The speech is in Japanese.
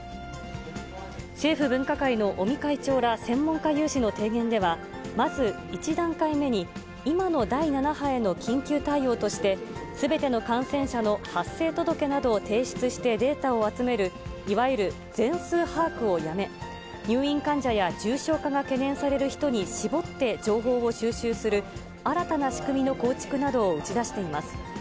政府分科会の尾身会長ら専門家有志の提言では、まず一段階目に、今の第７波への緊急対応として、すべての感染者の発生届などを提出してデータを集める、いわゆる全数把握をやめ、入院患者や重症化が懸念される人に絞って情報を収集する、新たな仕組みの構築などを打ち出しています。